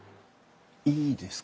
いいですか？